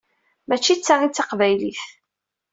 Mačči d ta i d taqbaylit!